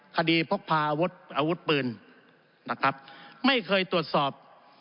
คดีพกพาอาวุธปืนนะครับไม่เคยตรวจสอบ